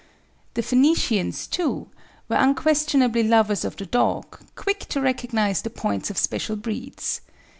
The Phoenicians, too, were unquestionably lovers of the dog, quick to recognise the points of special breeds.